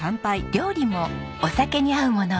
料理もお酒に合うものをご用意。